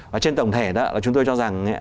và trên tổng thể đó chúng tôi cho rằng